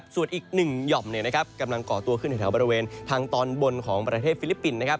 ส่วนอีกหนึ่งหย่อมกำลังก่อตัวขึ้นแถวบริเวณทางตอนบนของประเทศฟิลิปปินส์นะครับ